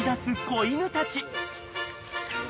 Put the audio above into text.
子犬たち］